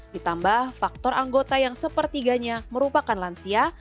ditambah faktor anggota yang sepertiganya merupakan lansia